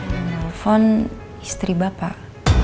telepon istri bapak